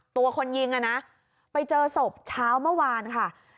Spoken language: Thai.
ตัวคนยิงอ่ะนะไปเจอศพเช้าเมื่อวานค่ะ